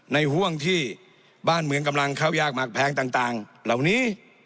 ห่วงที่บ้านเมืองกำลังเข้ายากมากแพงต่างเหล่านี้